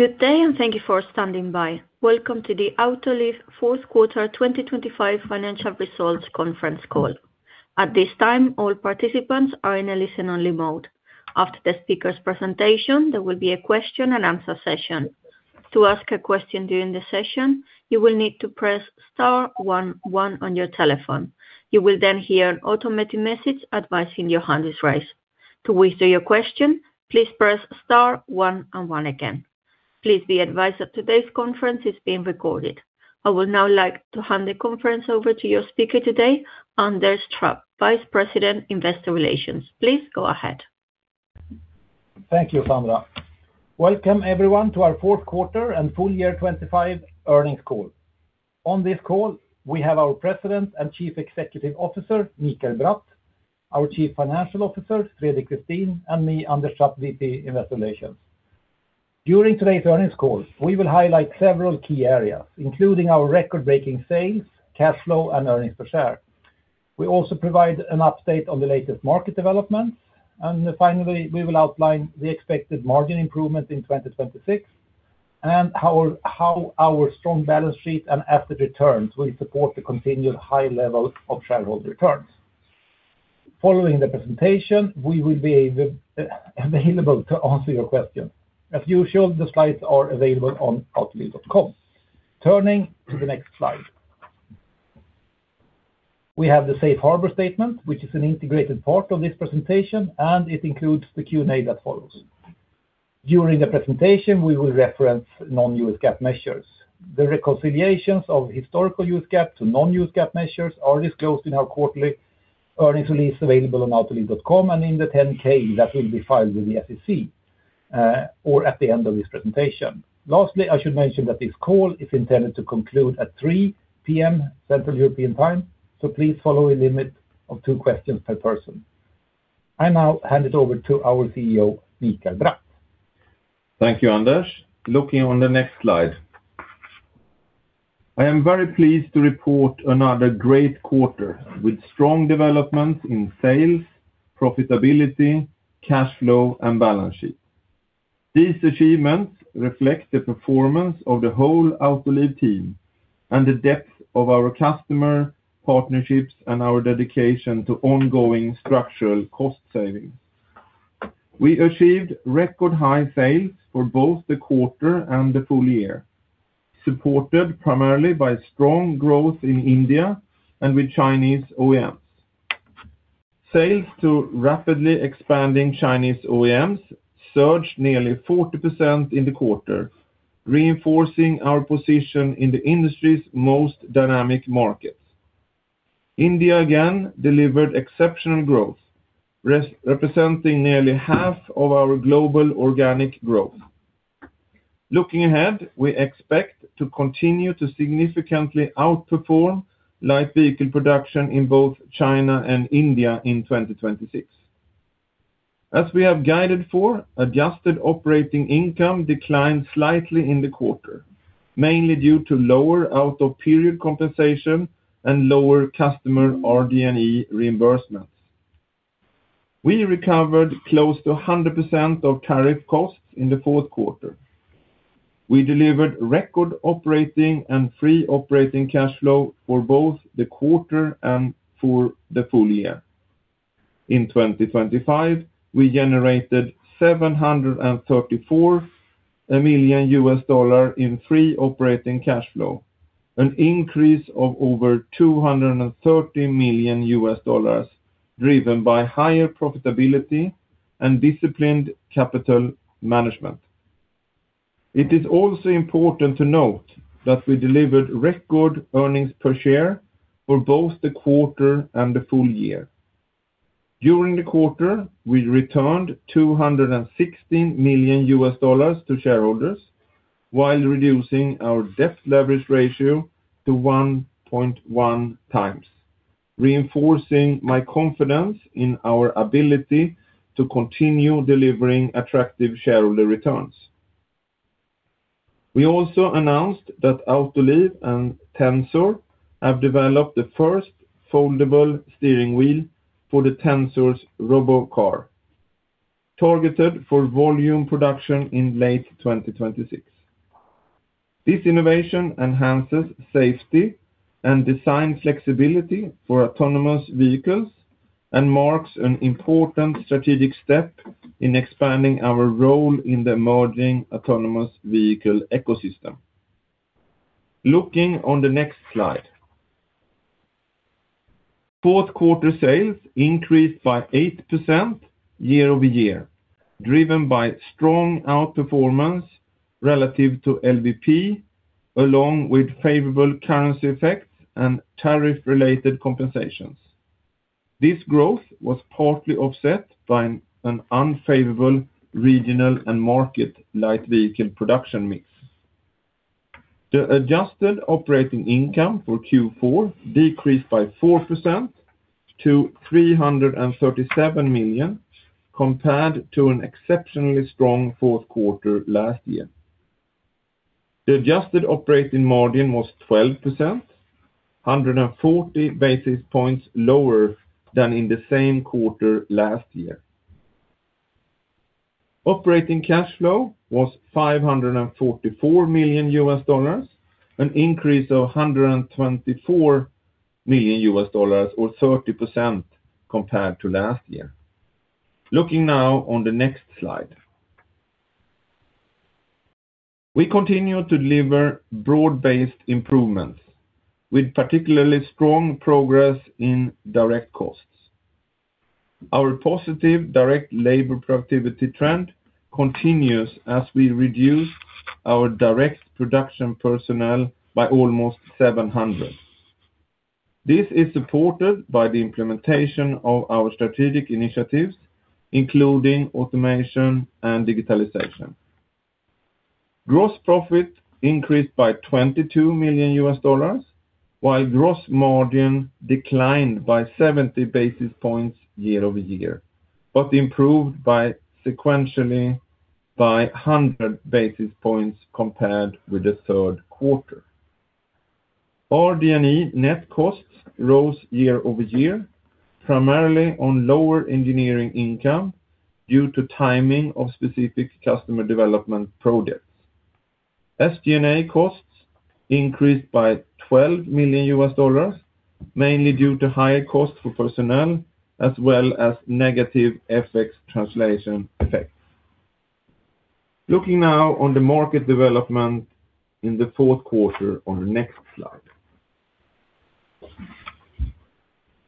Good day, and thank you for standing by. Welcome to the Autoliv fourth quarter 2025 financial results conference call. At this time, all participants are in a listen-only mode. After the speaker's presentation, there will be a question-and-answer session. To ask a question during the session, you will need to press star one one on your telephone. You will then hear an automated message advising your hand is raised. To withdraw your question, please press star one and one again. Please be advised that today's conference is being recorded. I would now like to hand the conference over to your speaker today, Anders Trapp, Vice President, Investor Relations. Please go ahead. Thank you, Sandra. Welcome everyone, to our fourth quarter and full year 2025 earnings call. On this call, we have our President and Chief Executive Officer, Mikael Bratt, our Chief Financial Officer, Fredrik Westin, and me, Anders Trapp, VP, Investor Relations. During today's earnings call, we will highlight several key areas, including our record-breaking sales, cash flow, and earnings per share. We also provide an update on the latest market developments, and finally, we will outline the expected margin improvement in 2026, and how our, how our strong balance sheet and asset returns will support the continued high levels of shareholder returns. Following the presentation, we will be available to answer your questions. As usual, the slides are available on autoliv.com. Turning to the next slide. We have the safe harbor statement, which is an integrated part of this presentation, and it includes the Q&A that follows. During the presentation, we will reference non-U.S. GAAP measures. The reconciliations of historical U.S. GAAP to non-U.S. GAAP measures are disclosed in our quarterly earnings release, available on Autoliv.com and in the 10-K that will be filed with the SEC, or at the end of this presentation. Lastly, I should mention that this call is intended to conclude at 3:00 P.M., Central European Time, so please follow a limit of two questions per person. I now hand it over to our CEO, Mikael Bratt. Thank you, Anders. Looking on the next slide. I am very pleased to report another great quarter, with strong development in sales, profitability, cash flow, and balance sheet. These achievements reflect the performance of the whole Autoliv team and the depth of our customer partnerships and our dedication to ongoing structural cost savings. We achieved record high sales for both the quarter and the full year, supported primarily by strong growth in India and with Chinese OEMs. Sales to rapidly expanding Chinese OEMs surged nearly 40% in the quarter, reinforcing our position in the industry's most dynamic markets. India again delivered exceptional growth, representing nearly half of our global organic growth. Looking ahead, we expect to continue to significantly outperform light vehicle production in both China and India in 2026. As we have guided for, adjusted operating income declined slightly in the quarter, mainly due to lower out-of-period compensation and lower customer RD&E reimbursements. We recovered close to 100% of tariff costs in the fourth quarter. We delivered record operating and free operating cash flow for both the quarter and for the full year. In 2025, we generated $734 million in free operating cash flow, an increase of over $230 million, driven by higher profitability and disciplined capital management. It is also important to note that we delivered record earnings per share for both the quarter and the full year. During the quarter, we returned $216 million to shareholders, while reducing our debt leverage ratio to 1.1x, reinforcing my confidence in our ability to continue delivering attractive shareholder returns. We also announced that Autoliv and Tensor have developed the first foldable steering wheel for the Tensor's robo car, targeted for volume production in late 2026. This innovation enhances safety and design flexibility for autonomous vehicles and marks an important strategic step in expanding our role in the emerging autonomous vehicle ecosystem. Looking on the next slide. Fourth quarter sales increased by 8% year-over-year, driven by strong outperformance relative to LVP, along with favorable currency effects and tariff-related compensations. This growth was partly offset by an unfavorable regional and market light vehicle production mix. The adjusted operating income for Q4 decreased by 4% to $337 million, compared to an exceptionally strong fourth quarter last year. The adjusted operating margin was 12%, 140 basis points lower than in the same quarter last year. Operating cash flow was $544 million, an increase of $124 million, or 30% compared to last year. Looking now on the next slide. We continue to deliver broad-based improvements, with particularly strong progress in direct costs. Our positive direct labor productivity trend continues as we reduce our direct production personnel by almost 700. This is supported by the implementation of our strategic initiatives, including automation and digitalization. Gross profit increased by $22 million, while gross margin declined by 70 basis points year-over-year, but improved by sequentially by 100 basis points compared with the third quarter. Our D&E net costs rose year-over-year, primarily on lower engineering income, due to timing of specific customer development projects. SG&A costs increased by $12 million, mainly due to higher costs for personnel, as well as negative FX translation effects. Looking now on the market development in the fourth quarter on the next slide.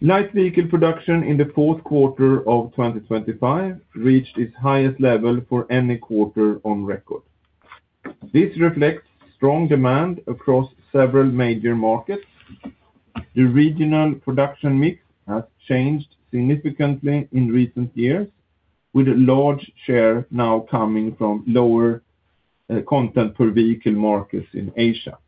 Light vehicle production in the fourth quarter of 2025 reached its highest level for any quarter on record. This reflects strong demand across several major markets. The regional production mix has changed significantly in recent years, with a large share now coming from lower content per vehicle markets in Asia.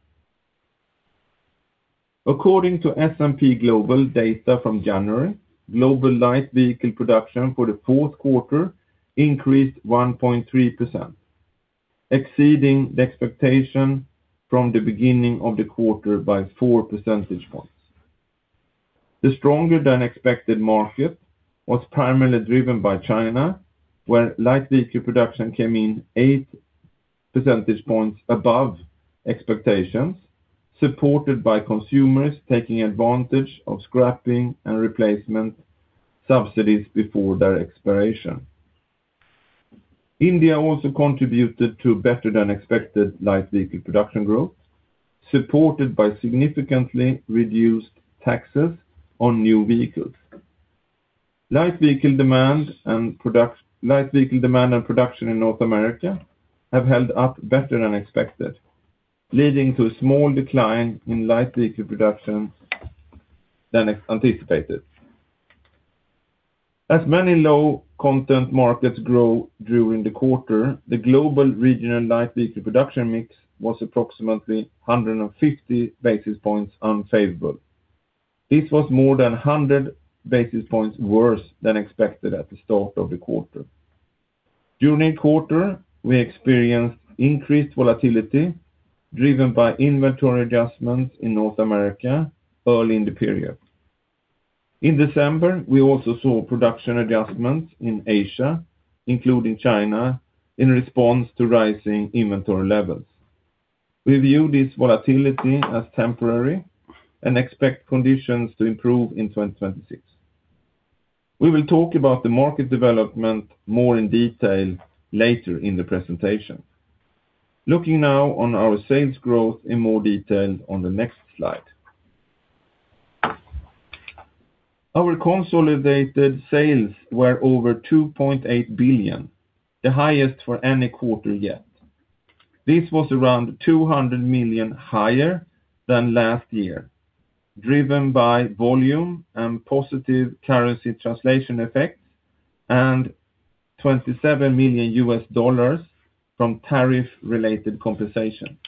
According to S&P Global data from January, global light vehicle production for the fourth quarter increased 1.3%, exceeding the expectation from the beginning of the quarter by 4 percentage points. The stronger than expected market was primarily driven by China, where light vehicle production came in 8 percentage points above expectations, supported by consumers taking advantage of scrapping and replacement subsidies before their expiration. India also contributed to better than expected light vehicle production growth, supported by significantly reduced taxes on new vehicles. Light vehicle demand and production in North America have held up better than expected, leading to a small decline in light vehicle production than anticipated. As many low content markets grow during the quarter, the global regional light vehicle production mix was approximately 150 basis points unfavorable. This was more than 100 basis points worse than expected at the start of the quarter. During the quarter, we experienced increased volatility, driven by inventory adjustments in North America early in the period. In December, we also saw production adjustments in Asia, including China, in response to rising inventory levels. We view this volatility as temporary and expect conditions to improve in 2026. We will talk about the market development more in detail later in the presentation. Looking now on our sales growth in more detail on the next slide. Our consolidated sales were over $2.8 billion, the highest for any quarter yet. This was around $200 million higher than last year, driven by volume and positive currency translation effects, and $27 million from tariff-related compensation.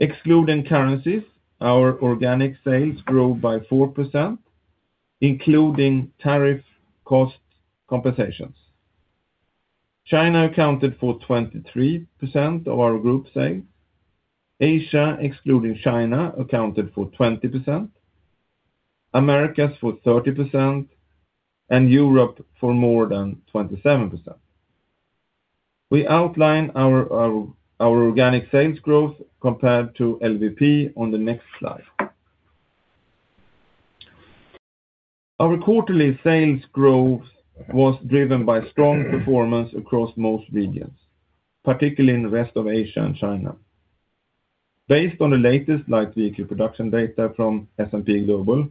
Excluding currencies, our organic sales grew by 4%, including tariff cost compensations. China accounted for 23% of our group sales. Asia, excluding China, accounted for 20%, Americas for 30%, and Europe for more than 27%. We outline our organic sales growth compared to LVP on the next slide. Our quarterly sales growth was driven by strong performance across most regions, particularly in the rest of Asia and China. Based on the latest light vehicle production data from S&P Global,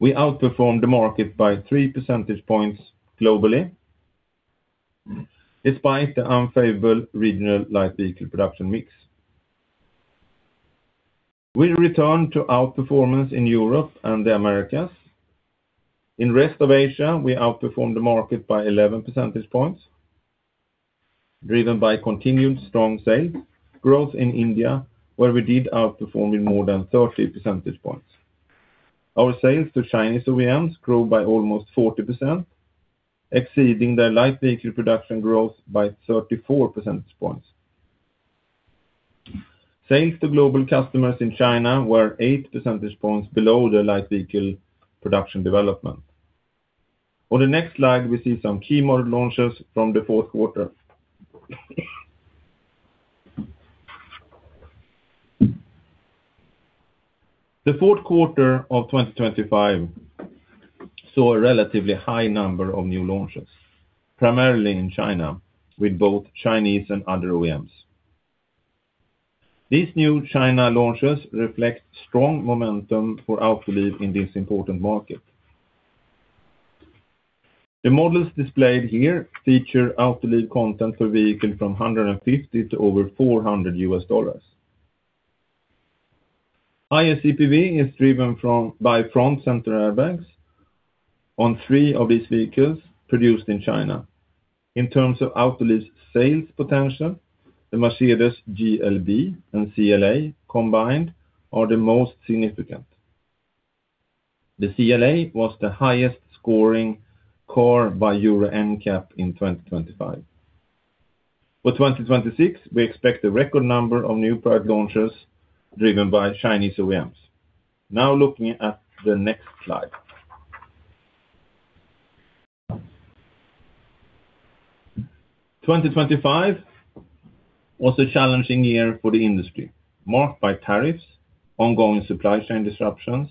we outperformed the market by 3 percentage points globally, despite the unfavorable regional light vehicle production mix. We returned to outperformance in Europe and the Americas. In rest of Asia, we outperformed the market by 11 percentage points, driven by continued strong sales growth in India, where we did outperforming more than 30 percentage points. Our sales to Chinese OEMs grew by almost 40%, exceeding their light vehicle production growth by 34 percentage points. Sales to global customers in China were 8 percentage points below their light vehicle production development. On the next slide, we see some key model launches from the fourth quarter. The fourth quarter of 2025 saw a relatively high number of new launches, primarily in China, with both Chinese and other OEMs. These new China launches reflect strong momentum for Autoliv in this important market. The models displayed here feature Autoliv content per vehicle from $150 to over $400. Highest CPV is driven from, by front center airbags on three of these vehicles produced in China. In terms of Autoliv's sales potential, the Mercedes GLB and CLA combined are the most significant. The CLA was the highest scoring car by Euro NCAP in 2025. For 2026, we expect a record number of new product launches driven by Chinese OEMs. Now looking at the next slide. 2025 was a challenging year for the industry, marked by tariffs, ongoing supply chain disruptions,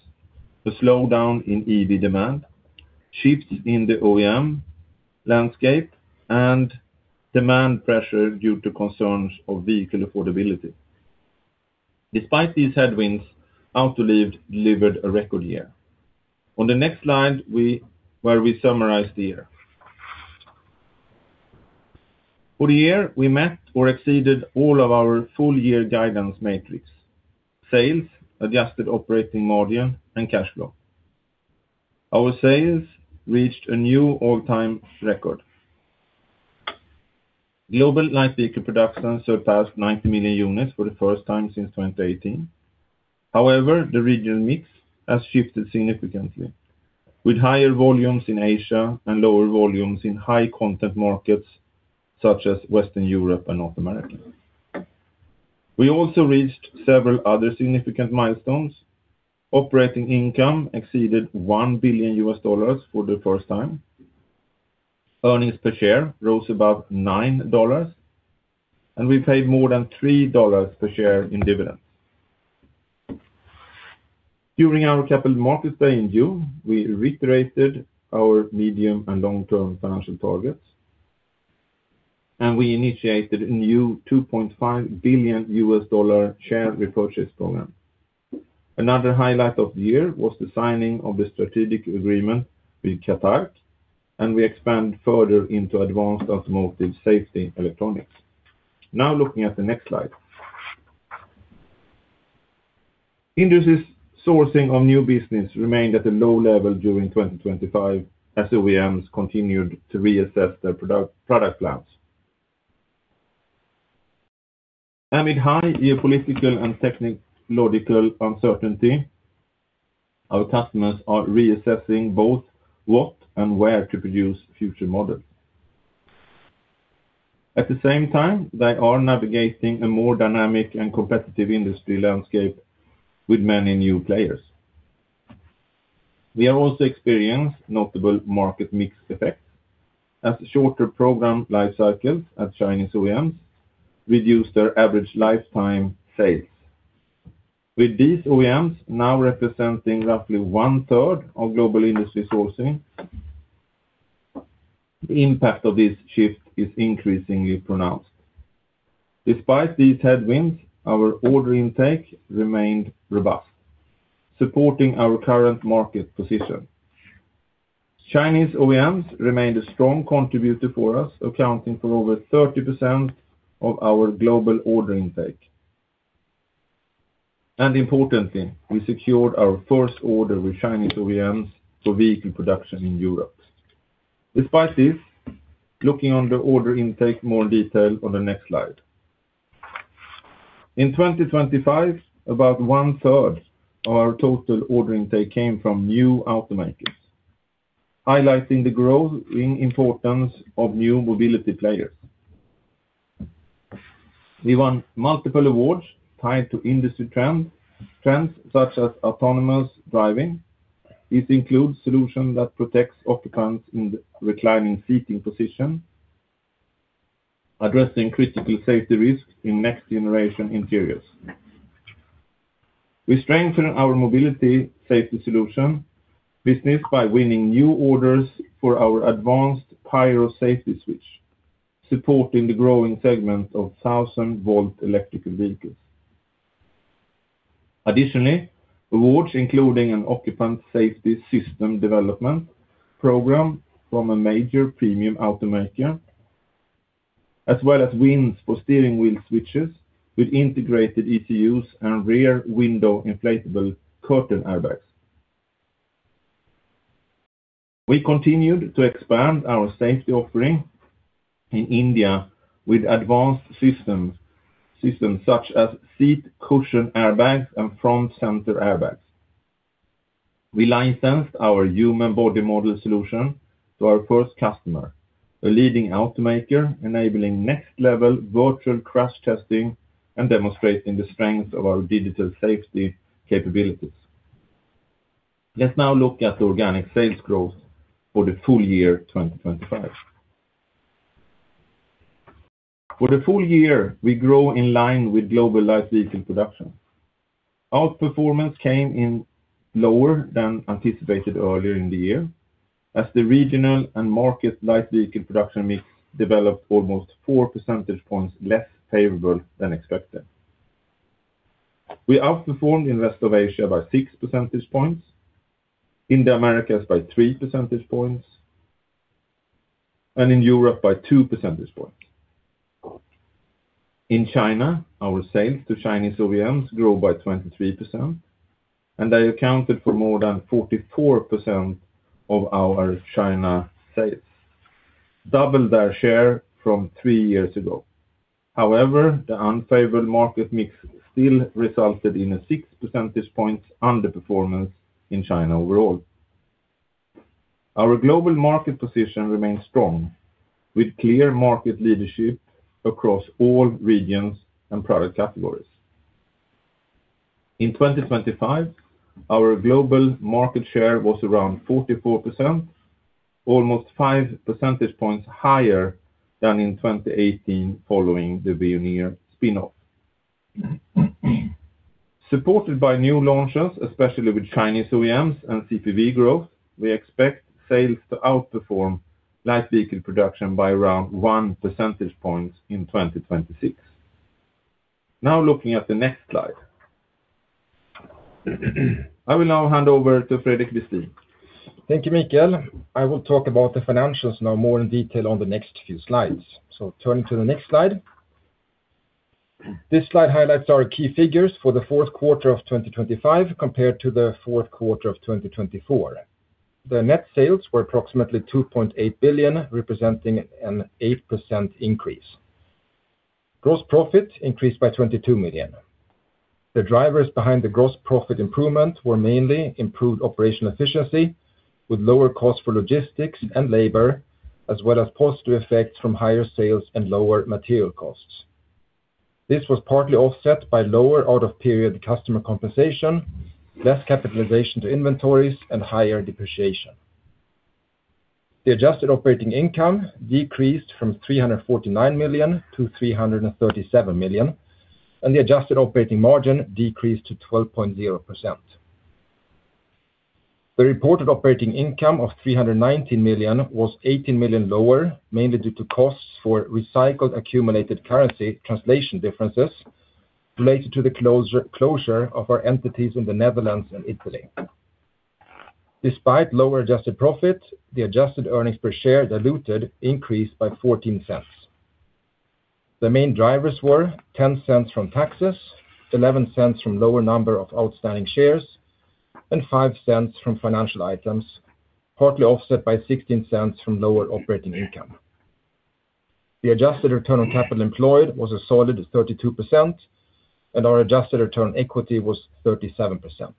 a slowdown in EV demand, shifts in the OEM landscape, and demand pressure due to concerns of vehicle affordability. Despite these headwinds, Autoliv delivered a record year. On the next slide, where we summarize the year. For the year, we met or exceeded all of our full year guidance metrics: sales, adjusted operating margin, and cash flow. Our sales reached a new all-time record. Global light vehicle production surpassed 90 million units for the first time since 2018. However, the regional mix has shifted significantly, with higher volumes in Asia and lower volumes in high content markets such as Western Europe and North America. We also reached several other significant milestones. Operating income exceeded $1 billion for the first time. Earnings per share rose above $9, and we paid more than $3 per share in dividends. During our capital markets day in June, we reiterated our medium and long-term financial targets, and we initiated a new $2.5 billion share repurchase program. Another highlight of the year was the signing of the strategic agreement with Qualcomm, and we expand further into advanced automotive safety electronics. Now, looking at the next slide. Industry sourcing of new business remained at a low level during 2025, as OEMs continued to reassess their product plans. With high geopolitical and technological uncertainty, our customers are reassessing both what and where to produce future models. At the same time, they are navigating a more dynamic and competitive industry landscape with many new players. We have also experienced notable market mix effects, as shorter program life cycles at Chinese OEMs reduced their average lifetime sales. With these OEMs now representing roughly one third of global industry sourcing, the impact of this shift is increasingly pronounced. Despite these headwinds, our order intake remained robust, supporting our current market position. Chinese OEMs remained a strong contributor for us, accounting for over 30% of our global order intake. And importantly, we secured our first order with Chinese OEMs for vehicle production in Europe. Despite this, looking on the order intake, more detail on the next slide. In 2025, about one third of our total order intake came from new automakers, highlighting the growth in importance of new mobility players. We won multiple awards tied to industry trends, trends such as autonomous driving. This includes solution that protects occupants in the reclining seating position, addressing critical safety risks in next generation interiors. We strengthen our mobility safety solution business by winning new orders for our advanced pyro safety switch, supporting the growing segment of 1,000-volt electrical vehicles. Additionally, awards including an occupant safety system development program from a major premium automaker, as well as wins for steering wheel switches with integrated ECUs and rear window inflatable curtain airbags. We continued to expand our safety offering in India with advanced systems such as seat cushion airbags and front center airbags. We licensed our human body model solution to our first customer, a leading automaker, enabling next level virtual crash testing and demonstrating the strength of our digital safety capabilities. Let's now look at the organic sales growth for the full year 2025. For the full year, we grow in line with global light vehicle production. Outperformance came in lower than anticipated earlier in the year, as the regional and market light vehicle production mix developed almost 4 percentage points less favorable than expected. We outperformed in rest of Asia by 6 percentage points, in the Americas by 3 percentage points, and in Europe by 2 percentage points. In China, our sales to Chinese OEMs grew by 23%, and they accounted for more than 44% of our China sales, double their share from three years ago. However, the unfavorable market mix still resulted in a 6 percentage points underperformance in China overall. Our global market position remains strong, with clear market leadership across all regions and product categories. In 2025, our global market share was around 44%, almost 5 percentage points higher than in 2018, following the Veoneer spin-off. Supported by new launches, especially with Chinese OEMs and CPV growth, we expect sales to outperform light vehicle production by around 1 percentage point in 2026. Now looking at the next slide. I will now hand over to Fredrik Westin. Thank you, Mikael. I will talk about the financials now more in detail on the next few slides. So turning to the next slide. This slide highlights our key figures for the fourth quarter of 2025 compared to the fourth quarter of 2024. The net sales were approximately $2.8 billion, representing an 8% increase. Gross profit increased by $22 million. The drivers behind the gross profit improvement were mainly improved operational efficiency, with lower costs for logistics and labor, as well as positive effects from higher sales and lower material costs. This was partly offset by lower out-of-period customer compensation, less capitalization to inventories, and higher depreciation. The adjusted operating income decreased from $349 million to $337 million, and the adjusted operating margin decreased to 12.0%. The reported operating income of $319 million was $18 million lower, mainly due to costs for recycled accumulated currency translation differences related to the closure of our entities in the Netherlands and Italy. Despite lower adjusted profit, the adjusted earnings per share diluted increased by $0.14. The main drivers were $0.10 from taxes, $0.11 from lower number of outstanding shares, and $0.05 from financial items, partly offset by $0.16 from lower operating income. The adjusted return on capital employed was a solid 32%, and our adjusted return on equity was 37%.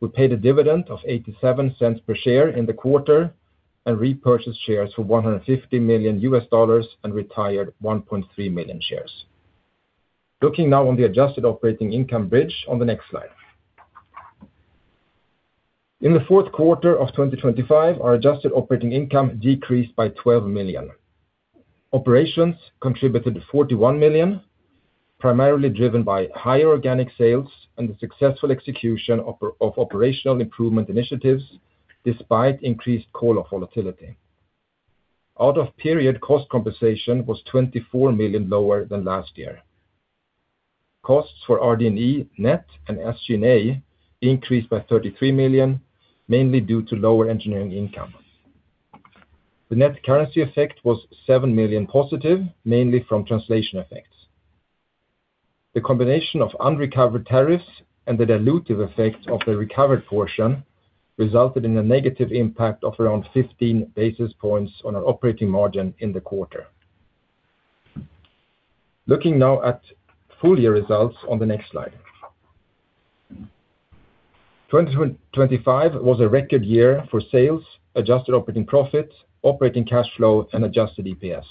We paid a dividend of $0.87 per share in the quarter and repurchased shares for $150 million and retired 1.3 million shares. Looking now on the adjusted operating income bridge on the next slide. In the fourth quarter of 2025, our adjusted operating income decreased by $12 million. Operations contributed $41 million, primarily driven by higher organic sales and the successful execution of operational improvement initiatives, despite increased COLA volatility. Out-of-period cost compensation was $24 million lower than last year. Costs for RD&E net and SG&A increased by $33 million, mainly due to lower engineering income. The net currency effect was $7 million+, mainly from translation effects. The combination of unrecovered tariffs and the dilutive effect of the recovered portion resulted in a negative impact of around 15 basis points on our operating margin in the quarter. Looking now at full year results on the next slide. 2025 was a record year for sales, adjusted operating profit, operating cash flow, and adjusted EPS.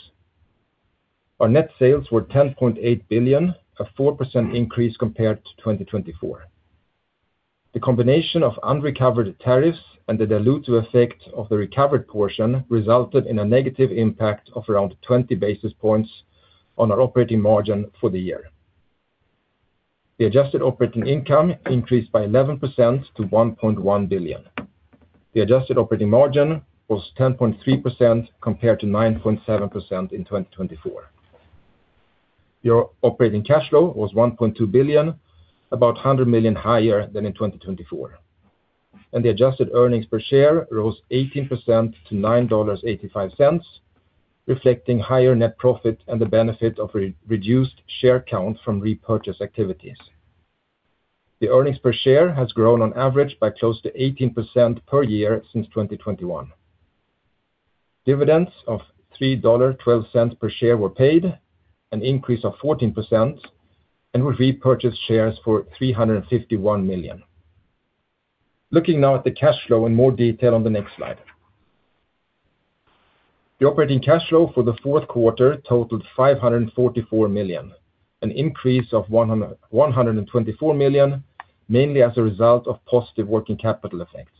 Our net sales were $10.8 billion, a 4% increase compared to 2024. The combination of unrecovered tariffs and the dilutive effect of the recovered portion resulted in a negative impact of around 20 basis points on our operating margin for the year. The adjusted operating income increased by 11% to $1.1 billion. The adjusted operating margin was 10.3%, compared to 9.7% in 2024. Our operating cash flow was $1.2 billion, about $100 million higher than in 2024, and the adjusted earnings per share rose 18% to $9.85, reflecting higher net profit and the benefit of reduced share count from repurchase activities.... The earnings per share has grown on average by close to 18% per year since 2021. Dividends of $3.12 per share were paid, an increase of 14%, and we repurchased shares for $351 million. Looking now at the cash flow in more detail on the next slide. The operating cash flow for the fourth quarter totaled $544 million, an increase of $124 million, mainly as a result of positive working capital effects.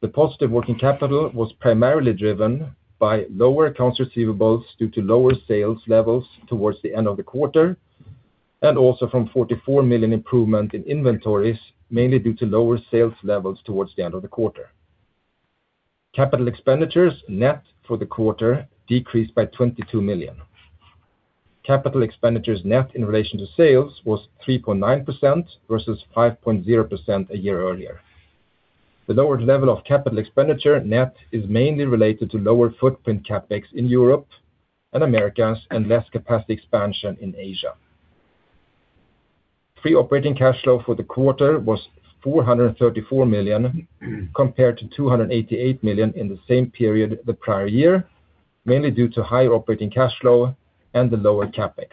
The positive working capital was primarily driven by lower accounts receivable, due to lower sales levels towards the end of the quarter, and also from $44 million improvement in inventories, mainly due to lower sales levels towards the end of the quarter. Capital expenditures net for the quarter decreased by $22 million. Capital expenditures net in relation to sales was 3.9% versus 5.0% a year earlier. The lower level of capital expenditure net is mainly related to lower footprint CapEx in Europe and Americas, and less capacity expansion in Asia. Free operating cash flow for the quarter was $434 million, compared to $288 million in the same period the prior year, mainly due to higher operating cash flow and the lower CapEx.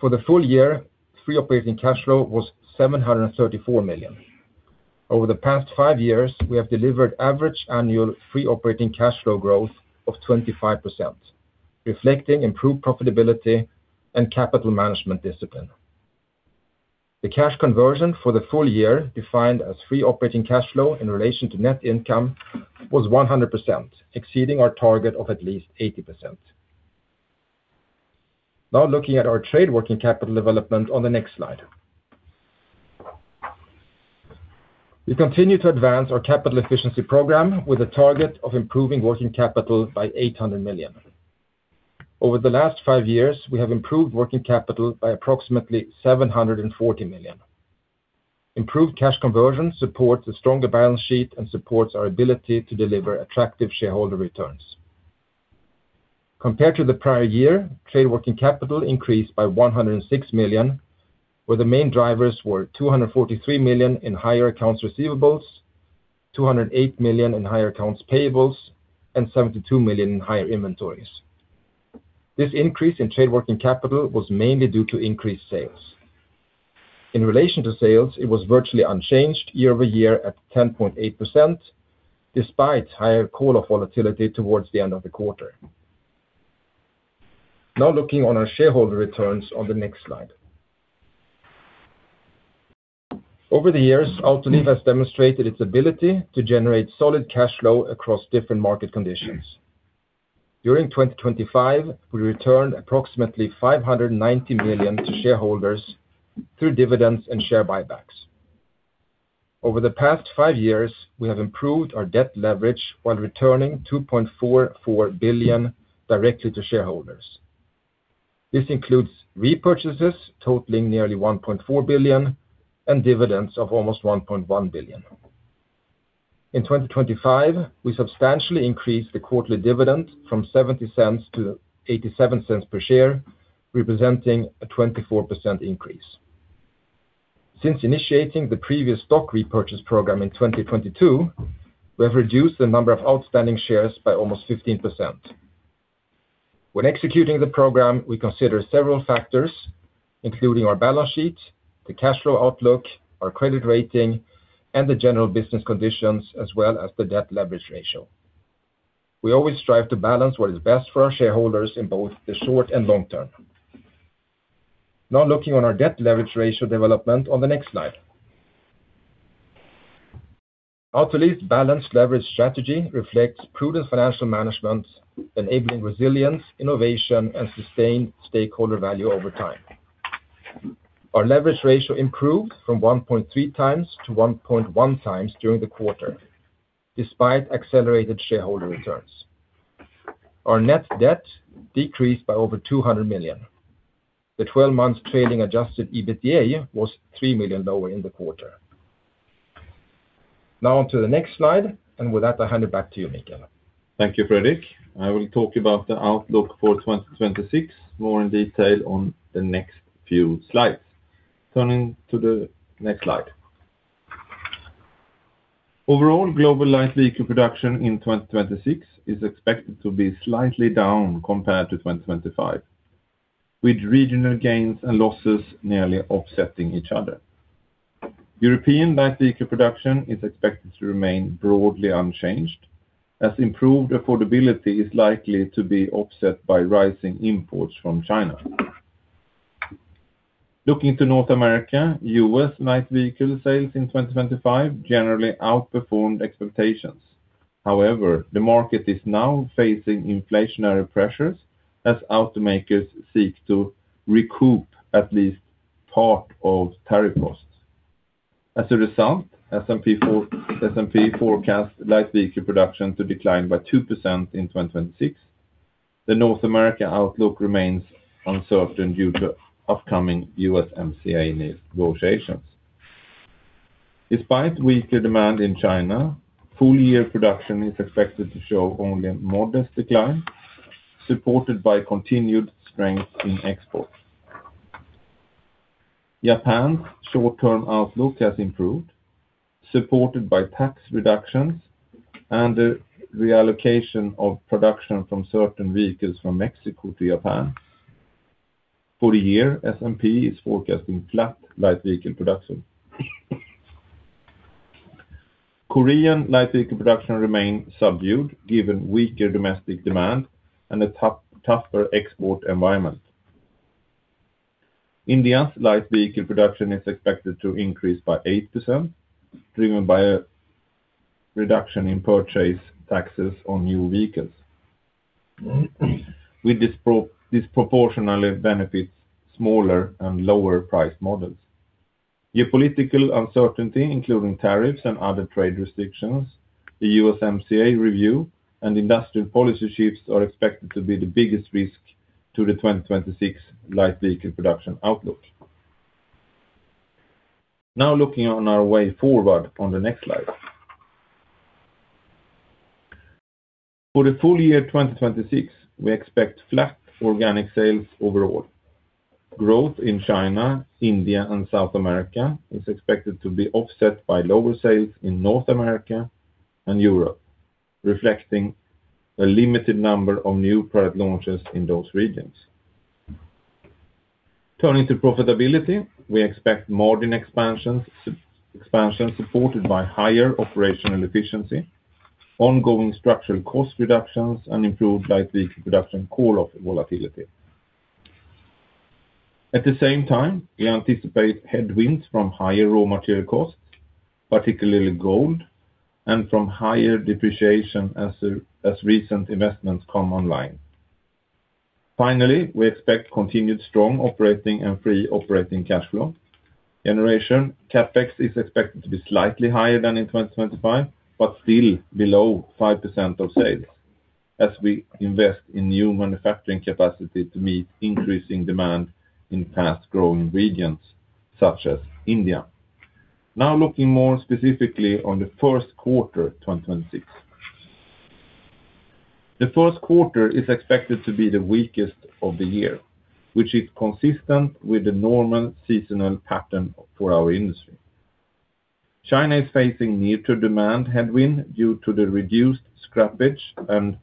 For the full year, free operating cash flow was $734 million. Over the past five years, we have delivered average annual free operating cash flow growth of 25%, reflecting improved profitability and capital management discipline. The cash conversion for the full year, defined as free operating cash flow in relation to net income, was 100%, exceeding our target of at least 80%. Now, looking at our trade working capital development on the next slide. We continue to advance our capital efficiency program with a target of improving working capital by $800 million. Over the last five years, we have improved working capital by approximately $740 million. Improved cash conversion supports a stronger balance sheet and supports our ability to deliver attractive shareholder returns. Compared to the prior year, trade working capital increased by $106 million, where the main drivers were $243 million in higher accounts receivables, $208 million in higher accounts payables, and $72 million in higher inventories. This increase in trade working capital was mainly due to increased sales. In relation to sales, it was virtually unchanged year-over-year at 10.8%, despite higher currency volatility towards the end of the quarter. Now, looking at our shareholder returns on the next slide. Over the years, Autoliv has demonstrated its ability to generate solid cash flow across different market conditions. During 2025, we returned approximately $590 million to shareholders through dividends and share buybacks. Over the past five years, we have improved our debt leverage while returning $2.44 billion directly to shareholders. This includes repurchases totaling nearly $1.4 billion and dividends of almost $1.1 billion. In 2025, we substantially increased the quarterly dividend from $0.70 to $0.87 per share, representing a 24% increase. Since initiating the previous stock repurchase program in 2022, we have reduced the number of outstanding shares by almost 15%. When executing the program, we consider several factors, including our balance sheet, the cash flow outlook, our credit rating, and the general business conditions, as well as the debt leverage ratio. We always strive to balance what is best for our shareholders in both the short and long term. Now, looking on our debt leverage ratio development on the next slide. Autoliv's balanced leverage strategy reflects prudent financial management, enabling resilience, innovation, and sustained stakeholder value over time. Our leverage ratio improved from 1.3x to 1.1x during the quarter, despite accelerated shareholder returns. Our net debt decreased by over $200 million. The 12-month trailing adjusted EBITDA was $3 million lower in the quarter. Now, on to the next slide, and with that, I hand it back to you, Mikael. Thank you, Fredrik. I will talk about the outlook for 2026, more in detail on the next few slides. Turning to the next slide. Overall, global light vehicle production in 2026 is expected to be slightly down compared to 2025, with regional gains and losses nearly offsetting each other. European light vehicle production is expected to remain broadly unchanged, as improved affordability is likely to be offset by rising imports from China. Looking to North America, U.S. light vehicle sales in 2025 generally outperformed expectations. However, the market is now facing inflationary pressures as automakers seek to recoup at least part of tariff costs. As a result, S&P forecast light vehicle production to decline by 2% in 2026. The North America outlook remains uncertain due to upcoming USMCA negotiations. Despite weaker demand in China, full year production is expected to show only a modest decline, supported by continued strength in exports. Japan's short-term outlook has improved, supported by tax reductions and the reallocation of production from certain vehicles from Mexico to Japan. For the year, S&P is forecasting flat light vehicle production. Korean light vehicle production remains subdued, given weaker domestic demand and a tough, tougher export environment. India's light vehicle production is expected to increase by 8%, driven by a reduction in purchase taxes on new vehicles. With this pro- disproportionately benefits smaller and lower price models. Geopolitical uncertainty, including tariffs and other trade restrictions, the U.S.MCA review, and industrial policy shifts are expected to be the biggest risk to the 2026 light vehicle production outlook. Now, looking on our way forward on the next slide. For the full year, 2026, we expect flat organic sales overall. Growth in China, India, and South America is expected to be offset by lower sales in North America and Europe, reflecting a limited number of new product launches in those regions. Turning to profitability, we expect margin expansion, expansion supported by higher operational efficiency, ongoing structural cost reductions, and improved light vehicle production call-off volatility. At the same time, we anticipate headwinds from higher raw material costs, particularly gold, and from higher depreciation as recent investments come online. Finally, we expect continued strong operating and free operating cash flow generation. CapEx is expected to be slightly higher than in 2025, but still below 5% of sales, as we invest in new manufacturing capacity to meet increasing demand in fast-growing regions, such as India. Now, looking more specifically on the first quarter, 2026. The first quarter is expected to be the weakest of the year, which is consistent with the normal seasonal pattern for our industry. China is facing near-term demand headwind due to the reduced scrappage and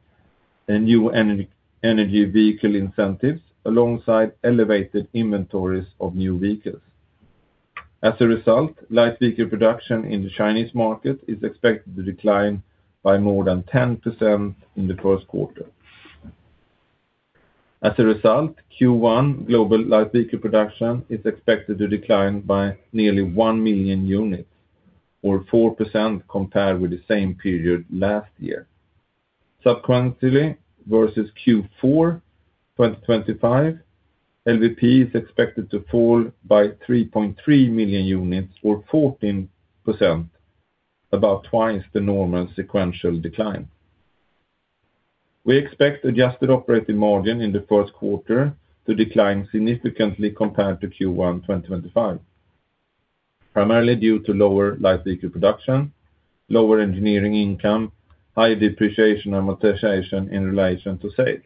new energy vehicle incentives, alongside elevated inventories of new vehicles. As a result, light vehicle production in the Chinese market is expected to decline by more than 10% in the first quarter. As a result, Q1 global light vehicle production is expected to decline by nearly 1 million units, or 4% compared with the same period last year. Subsequently, versus Q4 2025, LVP is expected to fall by 3.3 million units, or 14%, about twice the normal sequential decline. We expect adjusted operating margin in the first quarter to decline significantly compared to Q1 2025, primarily due to lower light vehicle production, lower engineering income, high depreciation and amortization in relation to sales.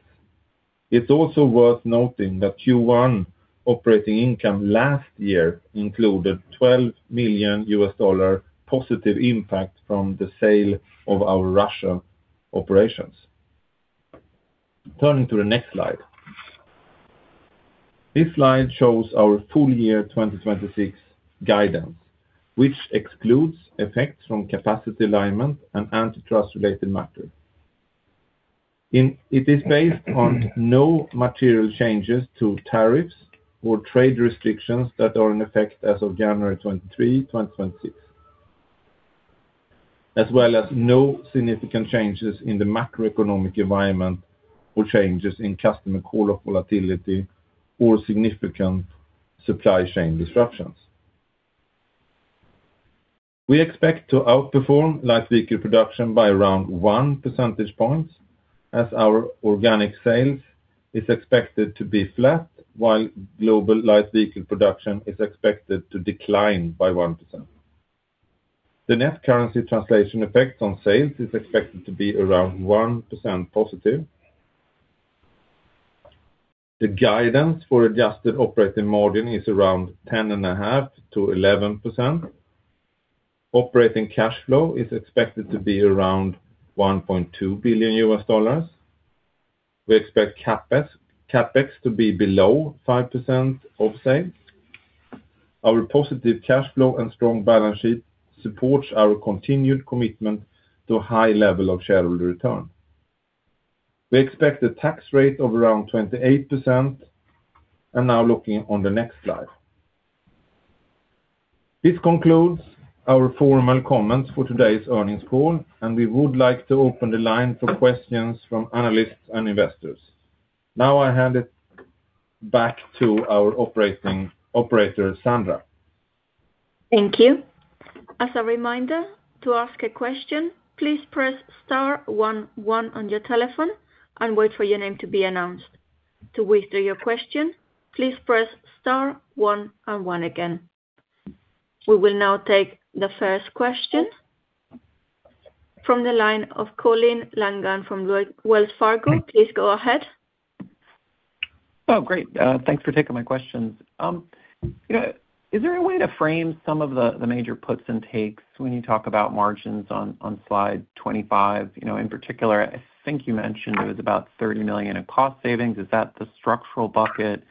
It's also worth noting that Q1 operating income last year included $12 million positive impact from the sale of our Russia operations. Turning to the next slide. This slide shows our full year 2026 guidance, which excludes effects from capacity alignment and antitrust-related matters. It is based on no material changes to tariffs or trade restrictions that are in effect as of January 23, 2026, as well as no significant changes in the macroeconomic environment or changes in customer call of volatility or significant supply chain disruptions. We expect to outperform light vehicle production by around 1 percentage point, as our organic sales is expected to be flat, while global light vehicle production is expected to decline by 1%. The net currency translation effect on sales is expected to be around 1% positive. The guidance for adjusted operating margin is around 10.5%-11%. Operating cash flow is expected to be around $1.2 billion. We expect CapEx to be below 5% of sales. Our positive cash flow and strong balance sheet supports our continued commitment to a high level of shareholder return. We expect a tax rate of around 28%, and now looking on the next slide. This concludes our formal comments for today's earnings call, and we would like to open the line for questions from analysts and investors. Now, I hand it back to our operator, Sandra. Thank you. As a reminder, to ask a question, please press star one one on your telephone and wait for your name to be announced. To withdraw your question, please press star one and one again. We will now take the first question from the line of Colin M. Langan from Wells Fargo. Please go ahead. Oh, great! Thanks for taking my questions. You know, is there a way to frame some of the, the major puts and takes when you talk about margins on, on slide 25? You know, in particular, I think you mentioned it was about $30 million in cost savings. Is that the structural bucket?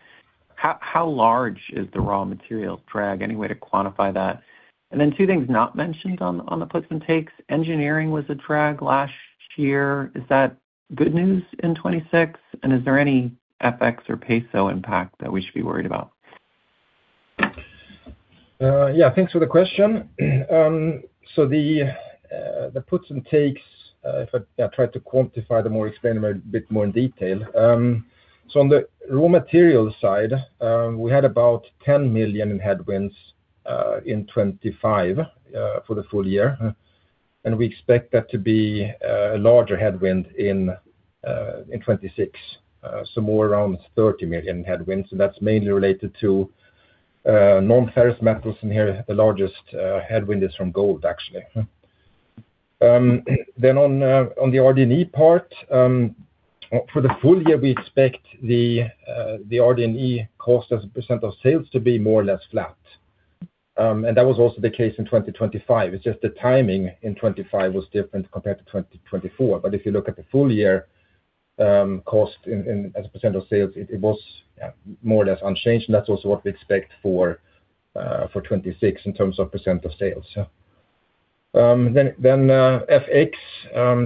How, how large is the raw material drag? Any way to quantify that? And then two things not mentioned on the, on the puts and takes. Engineering was a drag last year. Is that good news in 2026? And is there any FX or peso impact that we should be worried about? Yeah, thanks for the question. So the puts and takes, if I try to quantify them or explain them a bit more in detail. So on the raw material side, we had about $10 million in headwinds in 2025 for the full year. And we expect that to be a larger headwind in 2026, so more around $30 million headwinds, and that's mainly related to non-ferrous metals, and here, the largest headwind is from gold, actually. Then on the RD&E part, for the full year, we expect the RD&E cost as a % of sales to be more or less flat. And that was also the case in 2025. It's just the timing in 2025 was different compared to 2024. But if you look at the full year, cost in as a percent of sales, it was more or less unchanged, and that's also what we expect for 2026 in terms of percent of sales. So, then, FX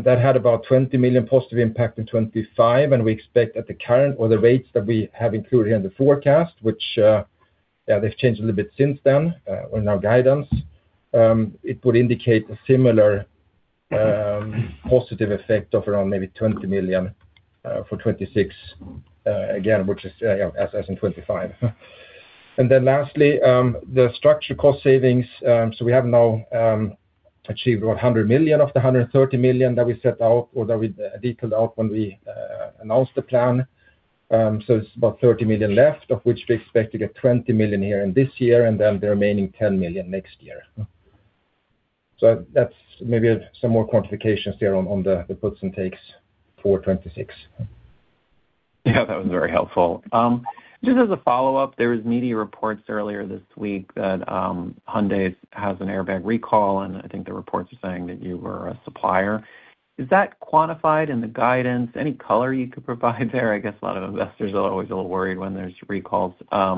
that had about $20 million positive impact in 2025, and we expect that the current or the rates that we have included in the forecast, which, yeah, they've changed a little bit since then, in our guidance. It would indicate a similar positive effect of around maybe $20 million for 2026, again, which is as in 2025. And then lastly, the structural cost savings, so we have now achieved $100 million of the $130 million that we set out or that we detailed out when we announced the plan. So it's about $30 million left, of which we expect to get $20 million here in this year, and then the remaining $10 million next year. So that's maybe some more quantifications there on the puts and takes for 2026. Yeah, that was very helpful. Just as a follow-up, there was media reports earlier this week that, Hyundai has an airbag recall, and I think the reports are saying that you were a supplier. Is that quantified in the guidance? Any color you could provide there? I guess a lot of investors are always a little worried when there's recalls. Yeah,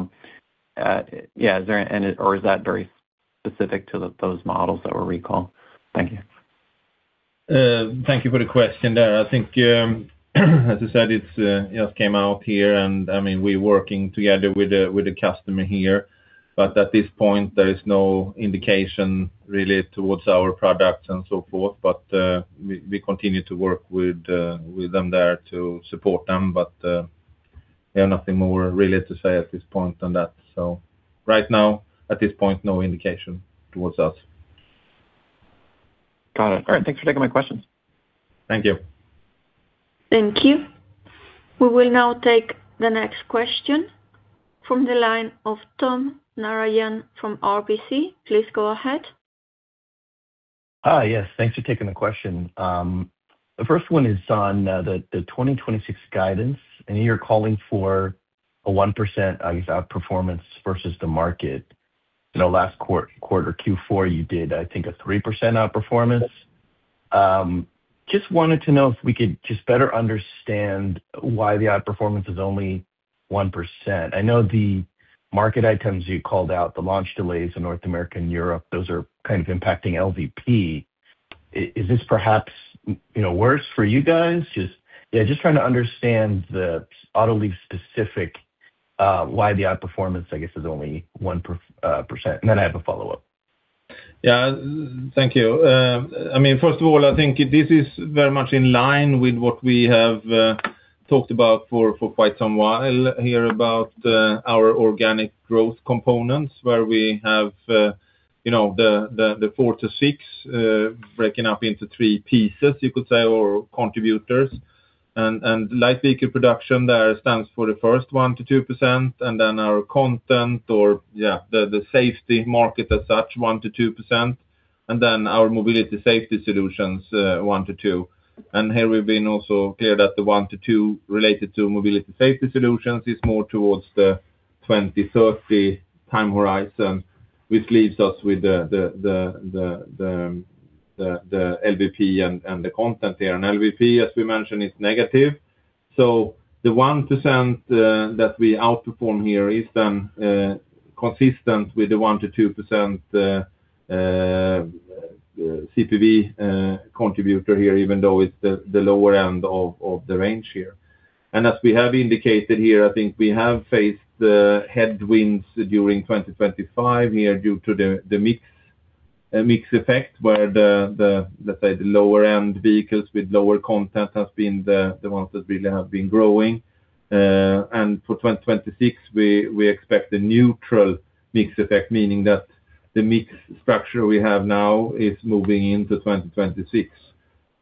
or is that very specific to the, those models that were recalled? Thank you. Thank you for the question there. I think, as I said, it's just came out here, and, I mean, we're working together with the customer here. But at this point, there is no indication really towards our products and so forth. But we continue to work with them there to support them. But we have nothing more really to say at this point than that. So right now, at this point, no indication towards us. Got it. All right, thanks for taking my questions. Thank you. Thank you. We will now take the next question from the line of Tom Narayan from RBC. Please go ahead. Hi. Yes, thanks for taking the question. The first one is on the 2026 guidance. I know you're calling for a 1%, I guess, outperformance versus the market. You know, last quarter, Q4, you did, I think, a 3% outperformance. Just wanted to know if we could just better understand why the outperformance is only 1%. I know the market items you called out, the launch delays in North America and Europe, those are kind of impacting LVP. Is this perhaps, you know, worse for you guys? Just yeah, just trying to understand the Autoliv specific why the outperformance, I guess, is only 1%. And then I have a follow-up. Yeah. Thank you. I mean, first of all, I think this is very much in line with what we have talked about for quite some while here about our organic growth components, where we have, you know, the 4-6 breaking up into three pieces, you could say, or contributors. And light vehicle production there stands for the first 1%-2%, and then our content or, yeah, the safety market as such, 1%-2%, and then our mobility safety solutions, 1%-2%. And here we've been also clear that the 1%-2% related to mobility safety solutions is more towards the 2030 time horizon, which leaves us with the LVP and the content here. And LVP, as we mentioned, is negative. So the 1% that we outperform here is then consistent with the 1%-2% CPV contributor here, even though it's the lower end of the range here. And as we have indicated here, I think we have faced the headwinds during 2025 here due to the mix effect, where the, let's say, the lower end vehicles with lower content has been the ones that really have been growing. And for 2026, we expect a neutral mix effect, meaning that the mix structure we have now is moving into 2026.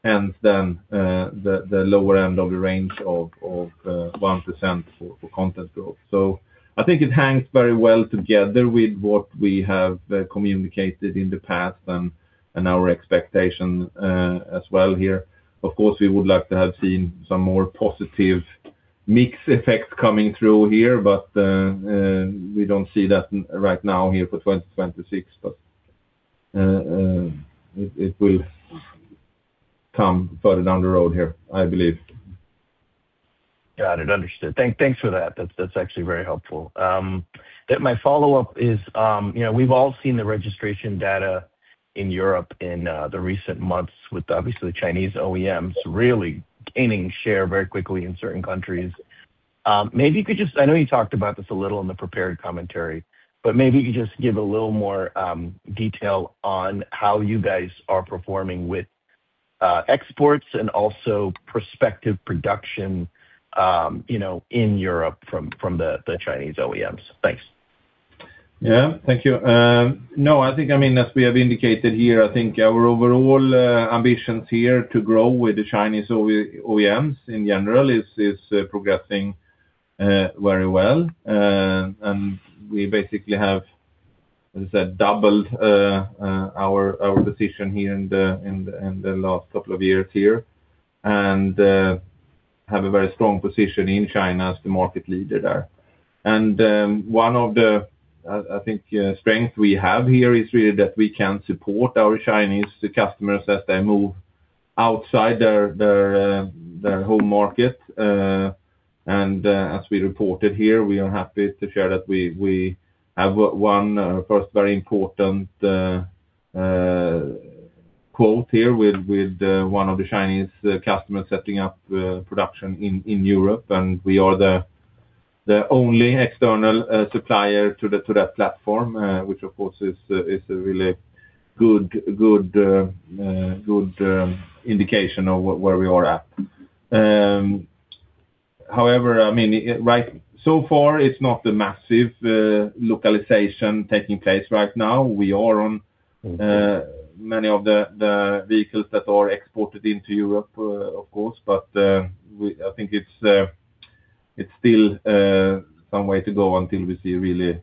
And then the lower end of the range of 1% for content growth. So I think it hangs very well together with what we have communicated in the past and our expectation as well here. Of course, we would like to have seen some more positive mix effect coming through here, but we don't see that right now here for 2026. But it will come further down the road here, I believe. Got it, understood. Thanks for that. That's actually very helpful. Then my follow-up is, you know, we've all seen the registration data in Europe in the recent months, with obviously the Chinese OEMs really gaining share very quickly in certain countries. Maybe you could just, I know you talked about this a little in the prepared commentary, but maybe you could just give a little more detail on how you guys are performing with exports and also prospective production, you know, in Europe from the Chinese OEMs. Thanks. Yeah, thank you. No, I think, I mean, as we have indicated here, I think our overall ambitions here to grow with the Chinese OEMs, in general, is progressing very well. And we basically have, let's say, doubled our position here in the last couple of years here. And have a very strong position in China as the market leader there. And one of the, I think, strength we have here is really that we can support our Chinese customers as they move outside their home market. As we reported here, we are happy to share that we have won, of course, very important quote here with one of the Chinese customers setting up production in Europe, and we are the only external supplier to that platform, which, of course, is a really good indication of where we are at. However, I mean, right, so far, it's not a massive localization taking place right now. We are on-... many of the vehicles that are exported into Europe, of course, but I think it's still some way to go until we see really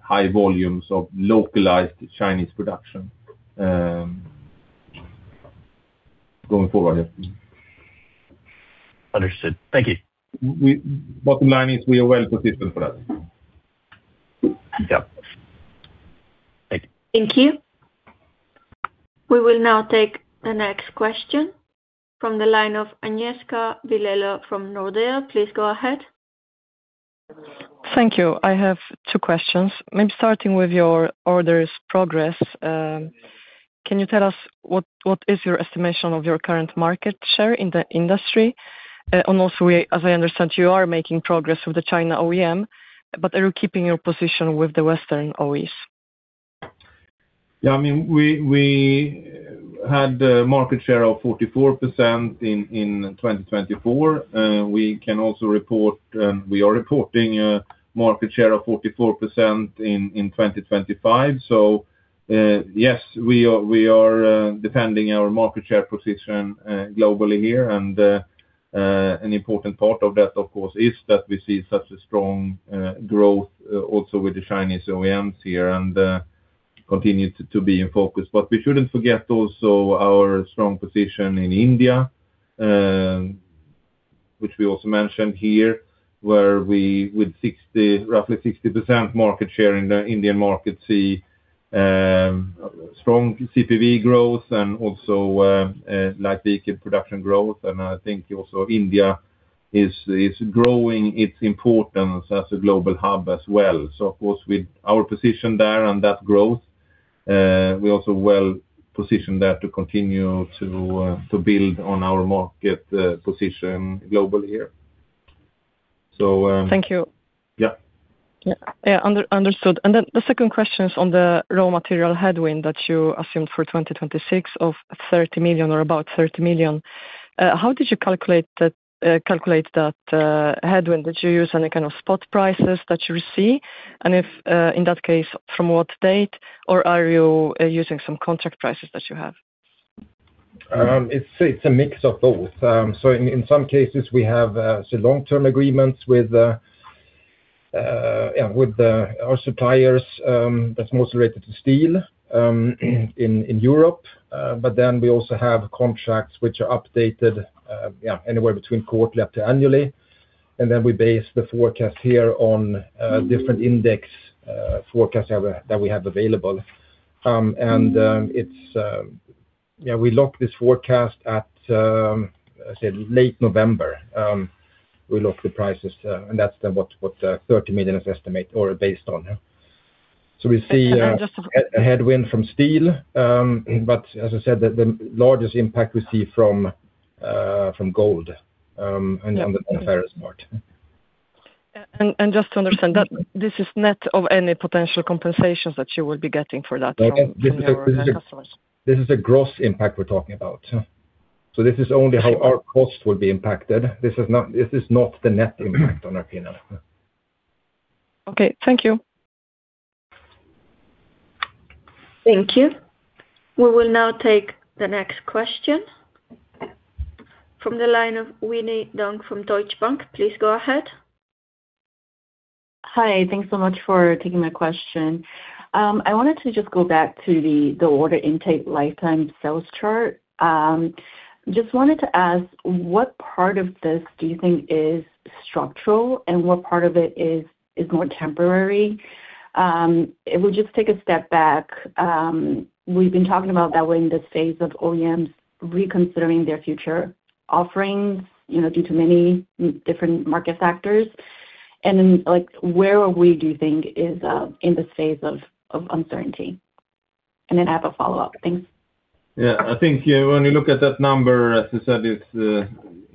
high volumes of localized Chinese production, going forward, yeah. Understood. Thank you. Bottom line is we are well-positioned for that. Thank you. We will now take the next question from the line of Agnieszka Vilela from Nordea. Please go ahead. Thank you. I have two questions. Maybe starting with your orders progress. Can you tell us what is your estimation of your current market share in the industry? And also, as I understand, you are making progress with the China OEM, but are you keeping your position with the Western OEs? Yeah, I mean, we had a market share of 44% in 2024. We can also report we are reporting a market share of 44% in 2025. So, yes, we are defending our market share position globally here. And an important part of that, of course, is that we see such a strong growth also with the Chinese OEMs here and continue to be in focus. But we shouldn't forget also our strong position in India, which we also mentioned here, where we, with roughly 60% market share in the Indian market, see strong CPV growth and also light vehicle production growth. And I think also India is growing its importance as a global hub as well. So of course, with our position there and that growth, we're also well positioned there to continue to build on our market position globally here. So, Thank you. Yeah. Yeah. Understood. Then the second question is on the raw material headwind that you assumed for 2026 of $30 million or about $30 million. How did you calculate that headwind? Did you use any kind of spot prices that you receive? And if in that case, from what date, or are you using some contract prices that you have? It's a mix of both. So in some cases, we have, say, long-term agreements with our suppliers. That's mostly related to steel in Europe. But then we also have contracts which are updated, yeah, anywhere between quarterly up to annually. And then we base the forecast here on different index forecasts that we have available. And it's, yeah, we lock this forecast at, say, late November. We lock the prices, and that's then what $30 million is estimate or based on. Yeah. So we see- And just to-... a headwind from steel, but as I said, the largest impact we see from gold, and on the ferrous part. Yeah. And just to understand, that this is net of any potential compensations that you will be getting for that from your customers? This is a gross impact we're talking about. So this is only how our cost will be impacted. This is not, this is not the net impact on our P&L. Okay. Thank you. Thank you. We will now take the next question. From the line of Winnie Dong from Deutsche Bank. Please go ahead. Hi, thanks so much for taking my question. I wanted to just go back to the, the order intake lifetime sales chart. Just wanted to ask, what part of this do you think is structural and what part of it is more temporary? If we just take a step back, we've been talking about that we're in this phase of OEMs reconsidering their future offerings, you know, due to many different market factors. And then, like, where are we, do you think, in this phase of uncertainty? And then I have a follow-up. Thanks. Yeah, I think when you look at that number, as you said, it's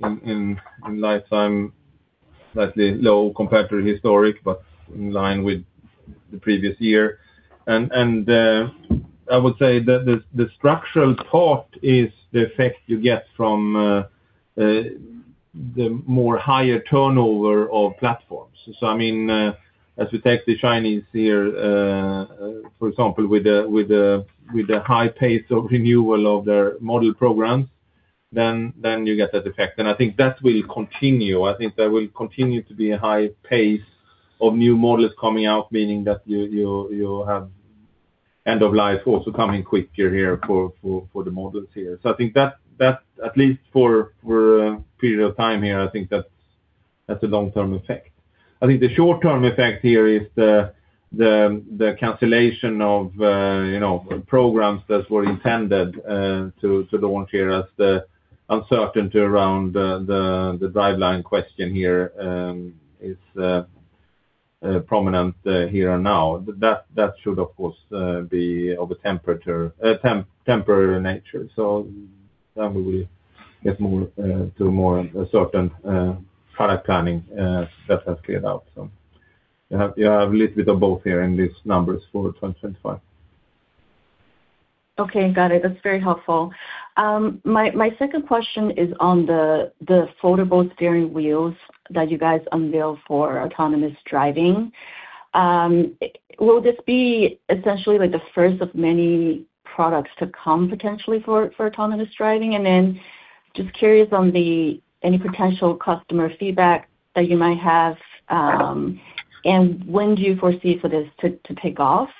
in lifetime slightly low compared to historic, but in line with the previous year. And I would say that the structural part is the effect you get from the more higher turnover of platforms. So, I mean, as we take the Chinese here for example, with the high pace of renewal of their model programs, then you get that effect. And I think that will continue. I think there will continue to be a high pace of new models coming out, meaning that you have end of life also coming quicker here for the models here. So I think that at least for a period of time here, I think that's a long-term effect. I think the short-term effect here is the cancellation of, you know, programs that were intended to launch here as the uncertainty around the driveline question here is prominent here and now. That should, of course, be of a temporary nature. So then we get more to a more certain product planning that has cleared out. So you have a little bit of both here in these numbers for 2025. Okay, got it. That's very helpful. My second question is on the foldable steering wheels that you guys unveiled for autonomous driving. Will this be essentially, like, the first of many products to come potentially for autonomous driving? And then just curious on any potential customer feedback that you might have, and when do you foresee for this to take off?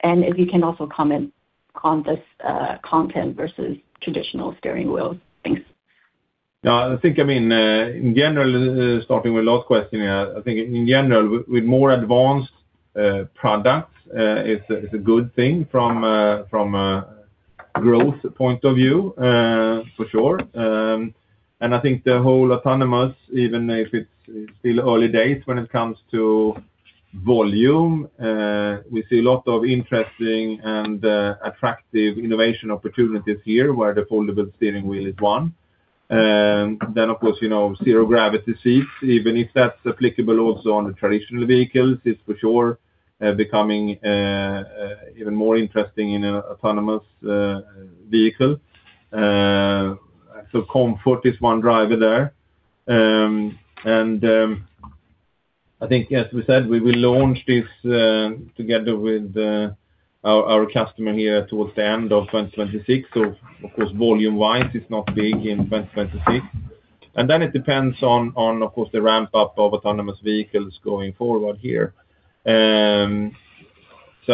And if you can also comment on this content versus traditional steering wheels. Thanks. Yeah, I think, I mean, in general, starting with last question, I think in general, with more advanced products, it's a good thing from a growth point of view, for sure. And I think the whole autonomous, even if it's still early days when it comes to volume, we see a lot of interesting and attractive innovation opportunities here, where the foldable steering wheel is one. Then, of course, you know, zero gravity seats, even if that's applicable also on the traditional vehicles, is for sure becoming even more interesting in an autonomous vehicle. So comfort is one driver there. And, I think, as we said, we will launch this together with our customer here towards the end of 2026. So of course, volume-wise, it's not big in 2026. And then it depends on, of course, the ramp-up of autonomous vehicles going forward here. So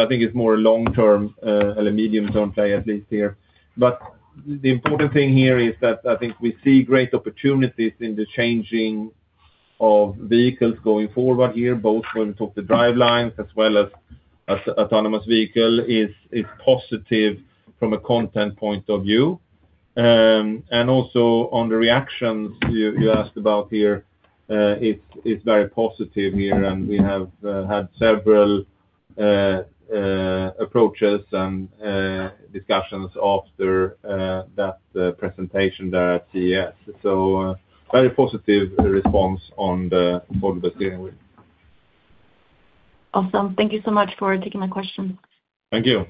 I think it's more long term, or a medium-term play, at least here. But the important thing here is that I think we see great opportunities in the changing of vehicles going forward here, both when it comes to drivelines as well as autonomous vehicle is positive from a content point of view. And also on the reactions you asked about here, it's very positive here, and we have had several approaches and discussions after that presentation there at CES. So very positive response on the foldable steering wheel. Awesome. Thank you so much for taking my question. Thank you.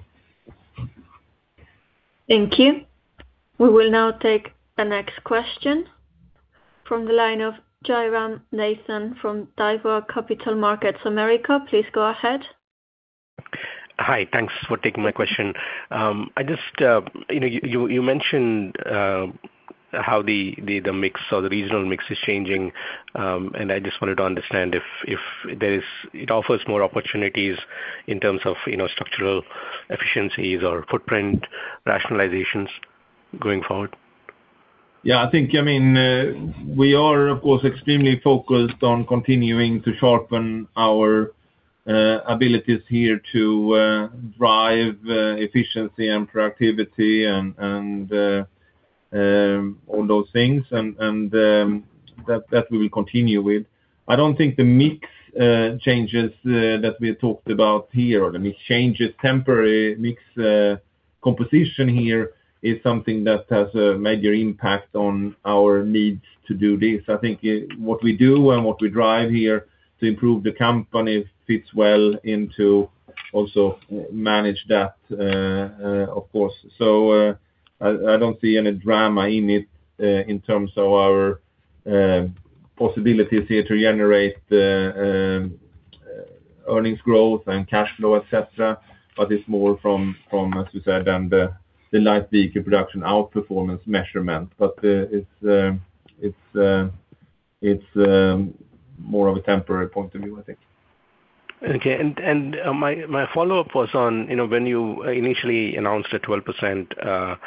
Thank you. We will now take the next question from the line of Jairam Nathan from Daiwa Capital Markets America. Please go ahead. Hi. Thanks for taking my question. I just, you know, you mentioned how the mix or the regional mix is changing, and I just wanted to understand if there is, it offers more opportunities in terms of, you know, structural efficiencies or footprint rationalizations going forward? Yeah, I think, I mean, we are, of course, extremely focused on continuing to sharpen our abilities here to drive efficiency and productivity and all those things, and that we will continue with. I don't think the mix changes that we talked about here, or the temporary mix composition here, is something that has a major impact on our needs to do this. I think what we do and what we drive here to improve the company fits well into also manage that, of course. So, I don't see any drama in it, in terms of our possibility is here to generate earnings growth and cash flow, et cetera, but it's more from, as you said, than the light vehicle production, outperformance measurement. But, it's more of a temporary point of view, I think. Okay. My follow-up was on, you know, when you initially announced a 12%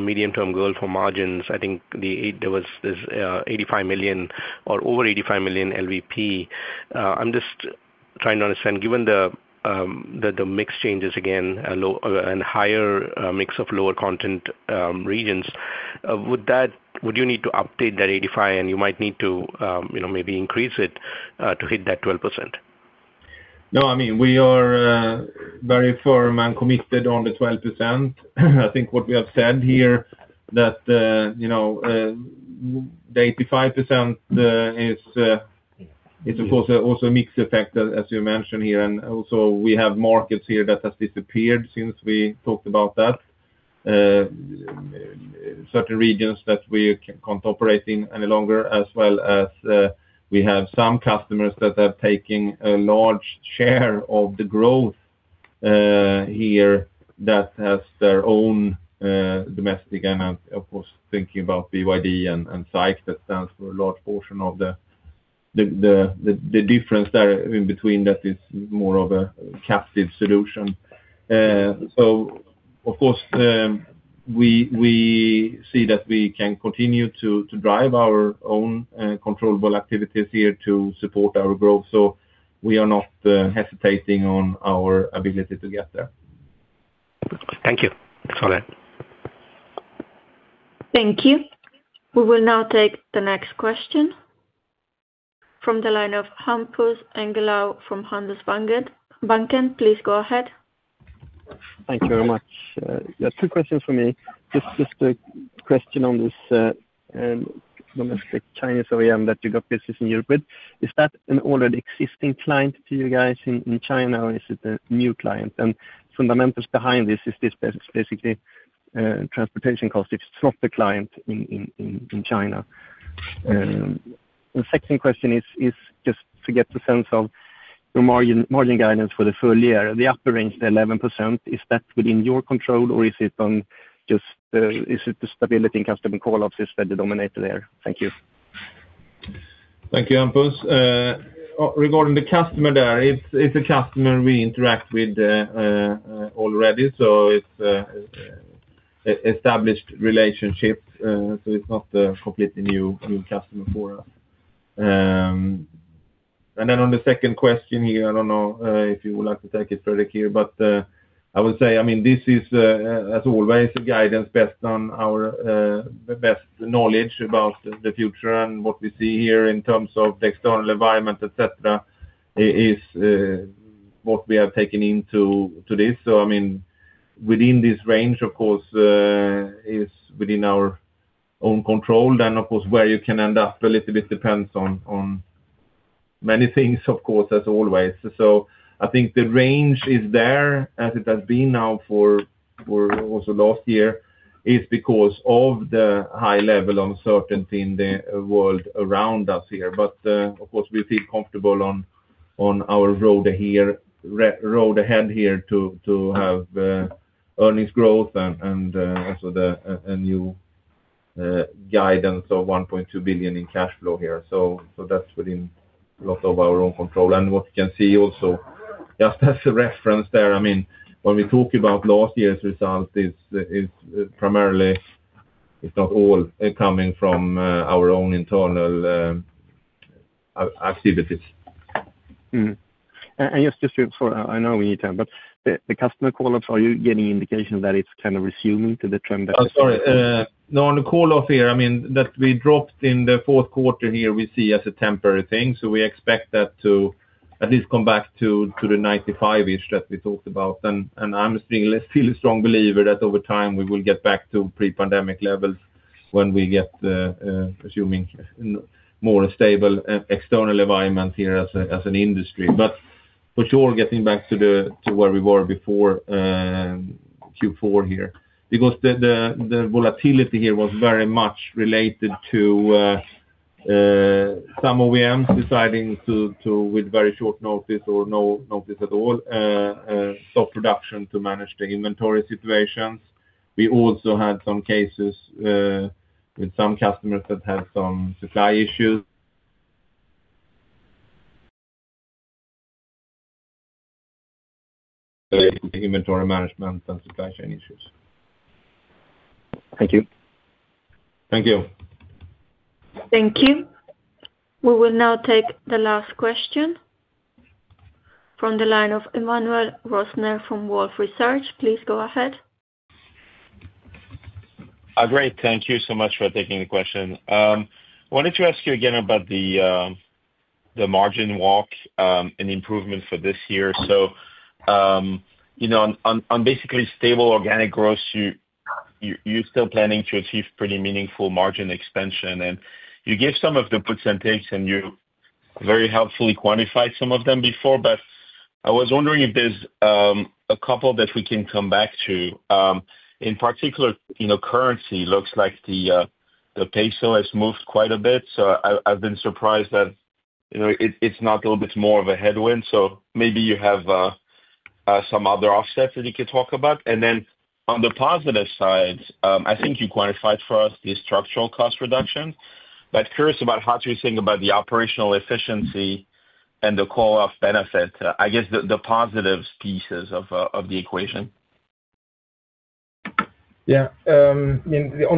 medium-term goal for margins, I think the eight there was this, over 85 million LVP. I'm just trying to understand, given the mix changes again, a low- and higher mix of lower content regions, would you need to update that 85 million, and you might need to, you know, maybe increase it to hit that 12%? No, I mean, we are very firm and committed on the 12%. I think what we have said here, that you know, the 85% is of course also a mix effect, as you mentioned here. And also we have markets here that has disappeared since we talked about that. Certain regions that we can't operate in any longer, as well as we have some customers that are taking a large share of the growth here that has their own domestic. And of course, thinking about BYD and SAIC, that stands for a large portion of the difference there in between, that is more of a captive solution. So of course, we see that we can continue to drive our own controllable activities here to support our growth. We are not hesitating on our ability to get there. Thank you. Thanks a lot. Thank you. We will now take the next question from the line of Hampus Engellau from Handelsbanken. Please go ahead. Thank you very much. Yeah, two questions for me. Just a question on this domestic Chinese OEM that you got business in Europe with. Is that an already existing client to you guys in China, or is it a new client? And fundamentals behind this, is this basically transportation costs? It's not the client in China. The second question is just to get the sense of your margin guidance for the full year, the upper range, the 11%, is that within your control, or is it just the stability in customer call-offs that dominate there? Thank you. Thank you, Hampus. Regarding the customer there, it's a customer we interact with already, so it's an established relationship, so it's not a completely new customer for us. And then on the second question here, I don't know if you would like to take it, Fredrik, here, but I would say, I mean, this is, as always, a guidance based on our best knowledge about the future and what we see here in terms of the external environment, et cetera, what we have taken into this. So I mean, within this range, of course, is within our own control. Then, of course, where you can end up a little bit depends on many things, of course, as always. So I think the range is there, as it has been now for also last year, because of the high level of certainty in the world around us here. But of course, we feel comfortable on our road ahead here to have earnings growth and also a new guidance of $1.2 billion in cash flow here. So that's within a lot of our own control. And what you can see also, just as a reference there, I mean, when we talk about last year's results, it's primarily, if not all, coming from our own internal activities. Mm-hmm. And just to—I know we need time, but the customer call-offs, are you getting indication that it's kind of resuming to the trend that- Oh, sorry. No, on the call-off here, I mean, that we dropped in the fourth quarter here, we see as a temporary thing, so we expect that to at least come back to the 95-ish that we talked about. And I'm still a strong believer that over time we will get back to pre-pandemic levels when we get, assuming more stable external environment here as an industry. But for sure, getting back to where we were before Q4 here, because the volatility here was very much related to some OEMs deciding to, with very short notice or no notice at all, stop production to manage the inventory situations. We also had some cases with some customers that had some supply issues. ... inventory management and supply chain issues. Thank you. Thank you. Thank you. We will now take the last question from the line of Emmanuel Rosner from Wolfe Research. Please go ahead. Great. Thank you so much for taking the question. Wanted to ask you again about the margin walk and improvement for this year. So, you know, on basically stable organic growth, you're still planning to achieve pretty meaningful margin expansion, and you gave some of the puts and takes, and very helpfully quantified some of them before, but I was wondering if there's a couple that we can come back to. In particular, you know, currency looks like the peso has moved quite a bit, so I've been surprised that, you know, it's not a little bit more of a headwind. So maybe you have some other offsets that you could talk about. And then on the positive side, I think you quantified for us the structural cost reduction, but curious about how to think about the operational efficiency and the call-off benefit, I guess, the positive pieces of the equation. Yeah. In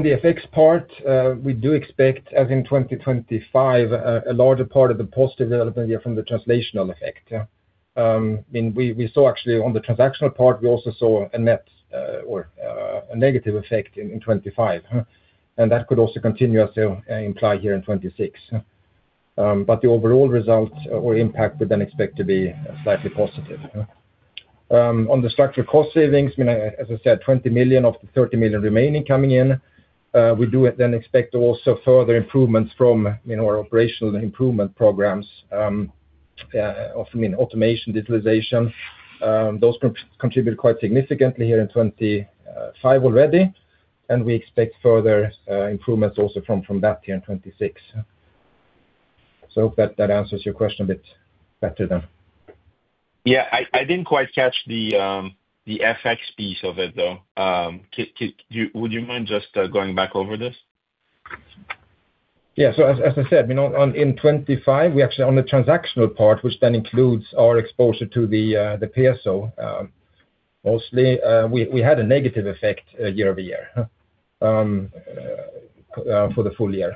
the effects part, we do expect, as in 2025, a larger part of the positive development here from the translational effect, yeah. I mean, we saw actually on the transactional part, we also saw a net, or, a negative effect in 2025, and that could also continue as to imply here in 2026. But the overall results or impact we then expect to be slightly positive, yeah. On the structural cost savings, you know, as I said, $20 million of the $30 million remaining coming in, we do then expect also further improvements from, you know, our operational improvement programs, of, I mean, automation, digitalization. Those contribute quite significantly here in 2025 already, and we expect further improvements also from that year in 2026. So hope that that answers your question a bit better than. Yeah, I didn't quite catch the FX piece of it, though. Do you... Would you mind just going back over this? Yeah. So as I said, you know, in 2025, we actually, on the transactional part, which then includes our exposure to the PSO, mostly, we had a negative effect year-over-year for the full year.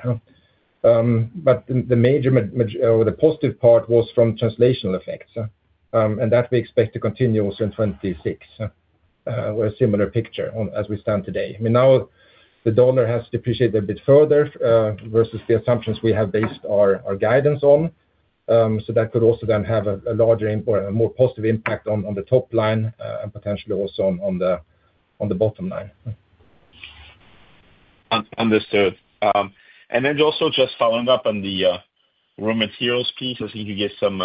But the major or the positive part was from translational effects, and that we expect to continue also in 2026, with a similar picture as we stand today. I mean, now the dollar has depreciated a bit further versus the assumptions we have based our guidance on. So that could also then have a larger or a more positive impact on the top line, and potentially also on the bottom line. Understood. And then also just following up on the raw materials piece, I think you gave some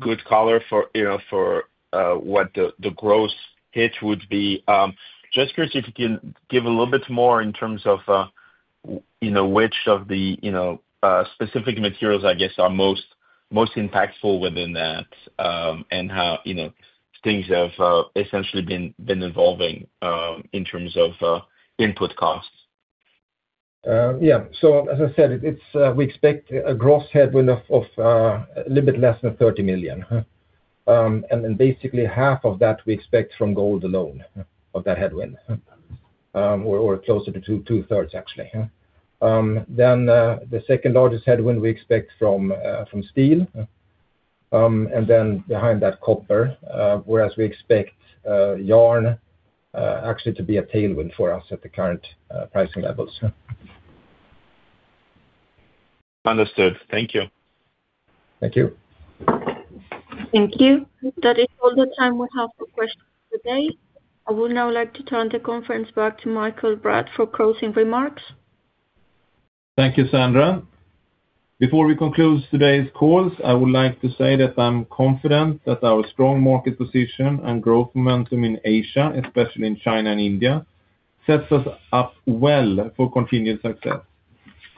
good color for, you know, for what the gross hit would be. Just curious if you can give a little bit more in terms of, you know, which of the specific materials, I guess, are most impactful within that, and how, you know, things have essentially been evolving in terms of input costs. Yeah. So as I said, it's we expect a gross headwind of a little bit less than $30 million. And then basically, half of that we expect from gold alone of that headwind, closer to two-thirds, actually. Then, the second largest headwind we expect from steel, and then behind that, copper, whereas we expect yarn actually to be a tailwind for us at the current pricing levels. Understood. Thank you. Thank you. Thank you. That is all the time we have for questions today. I would now like to turn the conference back to Mikael Bratt for closing remarks. Thank you, Sandra. Before we conclude today's call, I would like to say that I'm confident that our strong market position and growth momentum in Asia, especially in China and India, sets us up well for continued success.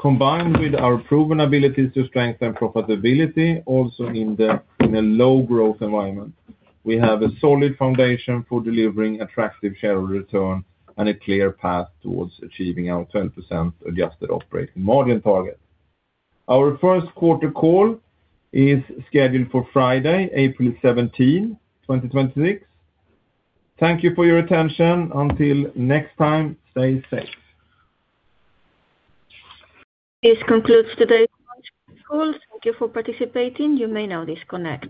Combined with our proven abilities to strengthen profitability also in a low growth environment, we have a solid foundation for delivering attractive shareholder return and a clear path towards achieving our 10% adjusted operating margin target. Our first quarter call is scheduled for Friday, April 17, 2026. Thank you for your attention. Until next time, stay safe. This concludes today's call. Thank you for participating. You may now disconnect.